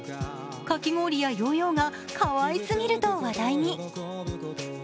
かき氷やヨーヨーがかわいすぎると話題に。